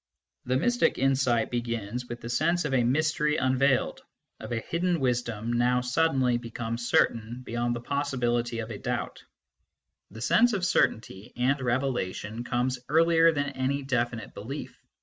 The mystic insight begins with the sense of a mystery unveiled, of a hidden wisdom now suddenly become certain beyond the possibility of a doubt. The sense of certainty and revelation comes earlier than any definite belief.